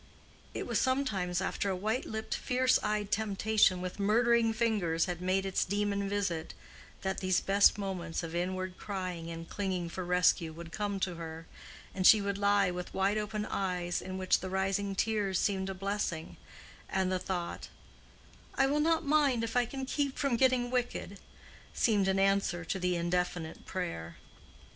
It was sometimes after a white lipped fierce eyed temptation with murdering fingers had made its demon visit that these best moments of inward crying and clinging for rescue would come to her, and she would lie with wide open eyes in which the rising tears seemed a blessing, and the thought, "I will not mind if I can keep from getting wicked," seemed an answer to the indefinite prayer.